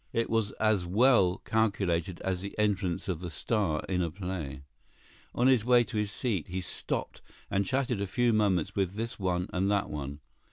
It was as well calculated as the entrance of the star in a play. On his way to his seat he stopped and chatted a few moments with this one and that one.